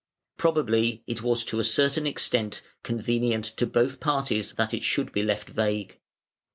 Probably it was to a certain extent convenient to both parties that it should be left vague.